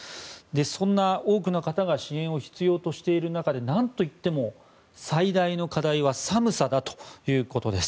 そんな多くの方が支援を必要としている中で何といっても、最大の課題は寒さだということです。